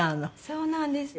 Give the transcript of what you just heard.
そうなんです。